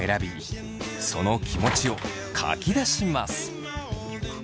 その気持ちを書き出します。